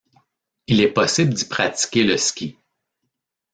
Il est possible d'y pratiquer le ski.